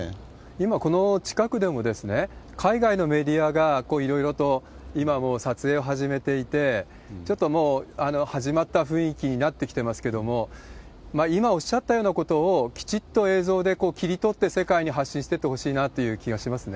今、この近くでも海外のメディアがいろいろと今も撮影を始めていて、ちょっともう、始まった雰囲気になってきてますけれども、今おっしゃったようなことをきちっと映像で切り取って世界に発信してってほしいなって気がしますね。